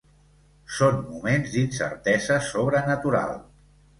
Són moments d'incertesa sobrenatural.